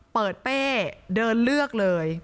เปิดเป้เดินเริกเลย